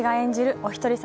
お一人様